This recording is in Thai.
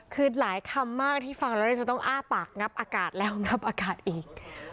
คือหลายคำมากที่ฟังแล้วจะต้องอ้าปากงับอากาศแล้วงับอากาศอีก